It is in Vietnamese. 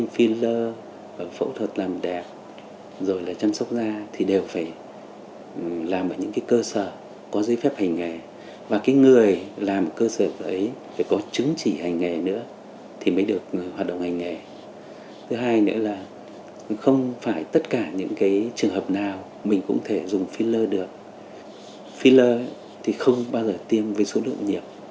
phí lơ thì không bao giờ tiêm với số lượng nhiều